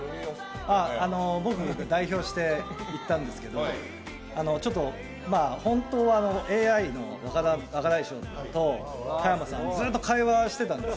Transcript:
僕、代表していったんですけど、ちょっとまあ、本当はＡＩの若大将と加山さん、ずっと会話してたんです。